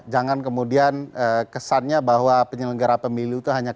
jangan kemudian kesannya bahwa penyelenggara pemilu itu hanya